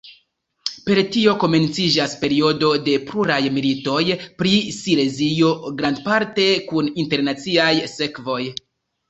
Per tio komenciĝas periodo de pluraj militoj pri Silezio, grandparte kun internaciaj sekvoj.